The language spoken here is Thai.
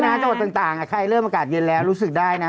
จังหวัดต่างใครเริ่มอากาศเย็นแล้วรู้สึกได้นะ